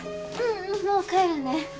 ううんもう帰るね。